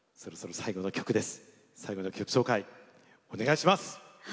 最後の曲紹介、お願いします。